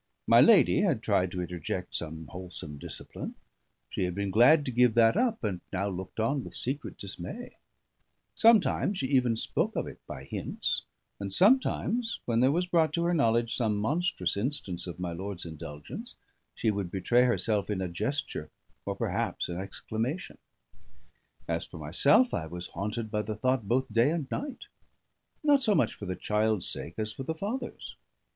My lady had tried to interject some wholesome discipline; she had been glad to give that up, and now looked on with secret dismay; sometimes she even spoke of it by hints; and sometimes, when there was brought to her knowledge some monstrous instance of my lord's indulgence, she would betray herself in a gesture or perhaps an exclamation. As for myself, I was haunted by the thought both day and night: not so much for the child's sake as for the father's.